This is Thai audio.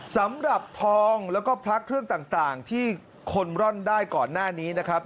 สำหรับทองแล้วก็พระเครื่องต่างที่คนร่อนได้ก่อนหน้านี้นะครับ